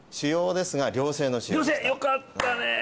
３です良性よかったね